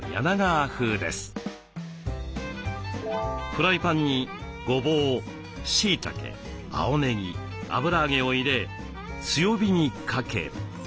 フライパンにごぼうしいたけ青ねぎ油揚げを入れ強火にかけ。